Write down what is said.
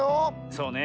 そうね。